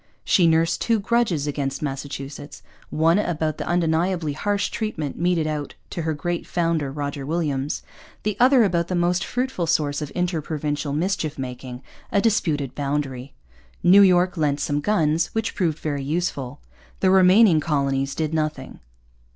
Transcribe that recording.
She nursed two grudges against Massachusetts, one about the undeniably harsh treatment meted out to her great founder, Roger Williams, the other about that most fruitful source of inter provincial mischief making, a disputed boundary. New York lent some guns, which proved very useful. The remaining colonies did nothing.